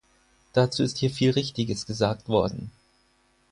Dazu ist hier viel Richtiges gesagt worden.